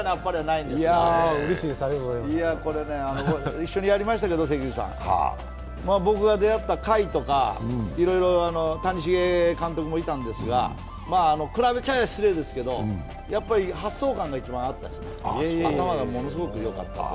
一緒にやりましたけど、僕が出会った甲斐とか谷繁監督もいたんですけど比べちゃうと失礼ですけどやっぱり発想感があったですね、頭がものすごくよかった。